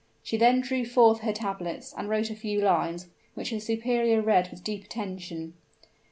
She then drew forth her tablets, and wrote a few lines, which the superior read with deep attention.